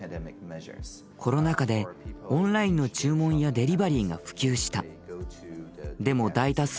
コロナ禍でオンラインの注文やデリバリーが普及した。